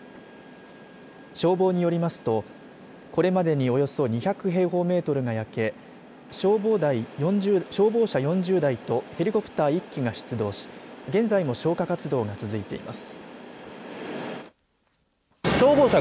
消防によりますとこれまでにおよそ２００平方メートルが焼け消防車４０台とヘリコプター１機が出動し現在も消火活動が続いてます。